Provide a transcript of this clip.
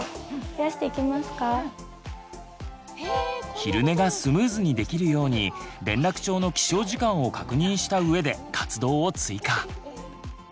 昼寝がスムーズにできるように連絡帳の起床時間を確認した上で活動を追加。